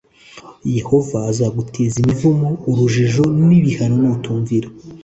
Yehova azaguteza imivumo , urujijo ,n ibihano nutumvira